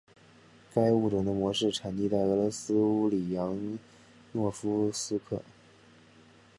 该物种的模式产地在俄罗斯乌里扬诺夫斯克。